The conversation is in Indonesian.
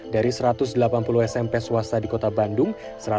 dari satu ratus delapan puluh smp swasta di kota bandung